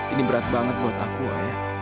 ini berat banget buat aku ayah